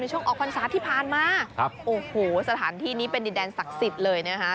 ช่วงออกพรรษาที่ผ่านมาโอ้โหสถานที่นี้เป็นดินแดนศักดิ์สิทธิ์เลยนะฮะ